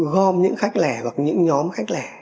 gom những khách lẻ hoặc những nhóm khách lẻ